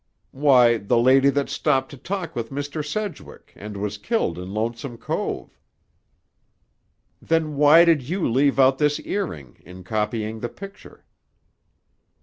"Why, the lady that stopped to talk with Mr. Sedgwick, and was killed in Lonesome Cove." "Then why did you leave out this earring in copying the picture?"